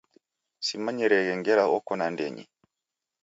Simanyireghe ngera oko nandenyi